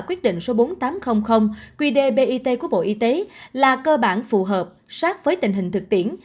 quyết định số bốn nghìn tám trăm linh qdbit của bộ y tế là cơ bản phù hợp sát với tình hình thực tiễn